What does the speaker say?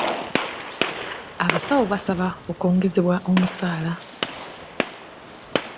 Abasawo baasaba okwongezebwa omusaala.